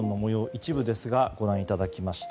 一部ですがご覧いただきました。